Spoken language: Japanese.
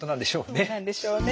どうなんでしょうね。